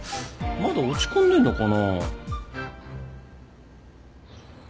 まだ落ち込んでんのかな？